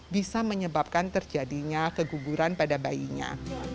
bisa menyebabkan terjadinya keguguran pada bayinya